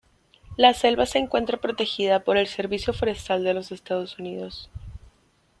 La selva se encuentra protegida por el Servicio Forestal de los Estados Unidos.